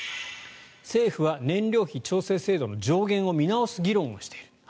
政府は燃料費調整制度の上限を見直す議論をしている。